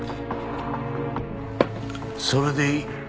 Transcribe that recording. それでいい。